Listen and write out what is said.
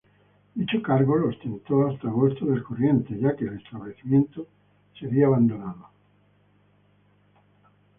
Dicho cargo lo ostentó hasta agosto del corriente, ya que el establecimiento sería abandonado.